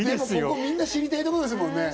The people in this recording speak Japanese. みんな知りたいところですもんね。